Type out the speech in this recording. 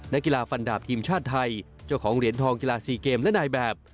นักกีฬาฟันดาบทีมชาติไทยเจ้าของเหรียญทองกีฬา๔เกมและนายแบบ